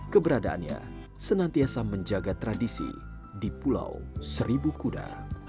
keberadaannya senantiasa menjaga tradisi di pulau seribu kuda